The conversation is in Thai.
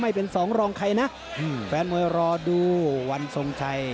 ไม่เป็นสองรองใครนะแฟนมวยรอดูวันทรงชัย